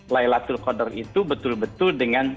laylatul qadar itu betul betul dengan